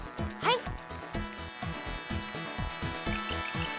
はい！